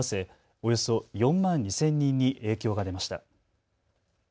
およそ４万２０００人に影響が出ました。